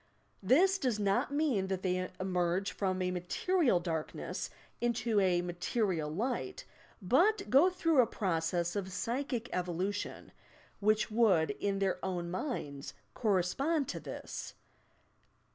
This does not mean that they emerge from a material dark ness into a material light, but go through a process of psychic evolution, which would, in their own minds, correspond to this.